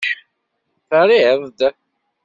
Terriḍ-d.